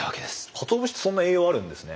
かつお節ってそんな栄養あるんですね。